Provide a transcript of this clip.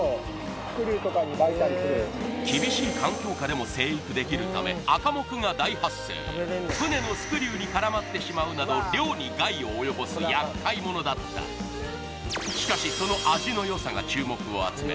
厳しい環境下でも生育できるため船のスクリューに絡まってしまうなど漁に害を及ぼす厄介ものだったしかしその味のよさが注目を集め